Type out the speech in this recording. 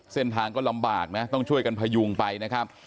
เส้นทางก็ลำบากนะต้องช่วยกันพยุงไปนะครับ